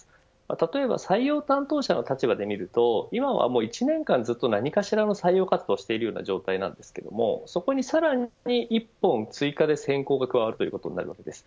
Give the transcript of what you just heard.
例えば採用担当者の立場で見ると今は１年間ずっと何かしらの採用活動をしている状態なんですけれどそこにさらに１本追加で選考が加わることになるわけです。